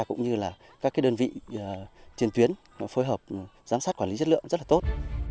cũng như là các đơn vị trên tuyến phối hợp giám sát quản lý chất lượng rất là tốt